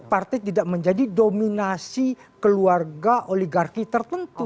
partai tidak menjadi dominasi keluarga oligarki tertentu